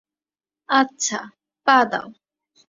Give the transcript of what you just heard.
আচ্ছা, পা দাও।